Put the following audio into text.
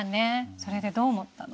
それでどう思ったの？